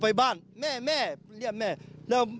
ชาวบ้านในพื้นที่บอกว่าปกติผู้ตายเขาก็อยู่กับสามีแล้วก็ลูกสองคนนะฮะ